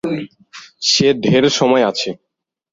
সে ঢের সময় আছে।